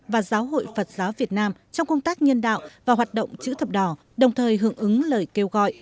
và giáo hội phật giáo việt nam trong công tác nhân đạo và hoạt động chữ thập đỏ đồng thời hưởng ứng lời kêu gọi